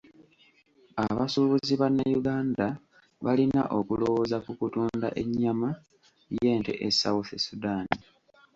Abasuubuzi bannayuganda balina okulowooza ku kutunda ennyama y'ente e South Sudan.